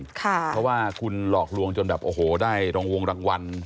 เพราะว่าคุณหลอกลวงจนแบบโอ้โหได้รองวงรางวัล